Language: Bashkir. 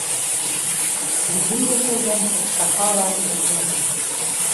Үҙе йәшәүҙән туҡтаһа ла тибә!